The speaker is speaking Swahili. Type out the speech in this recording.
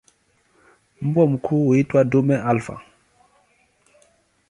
Mbwa mkuu huitwa "dume alfa".